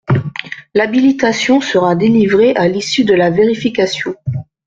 L’habilitation sera délivrée à l’issue de la vérification.